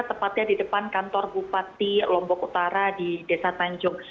tepatnya di depan kantor bupati lombok utara di desa tanjung